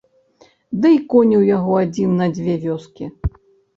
Ды й конь у яго адзін на дзве вёскі.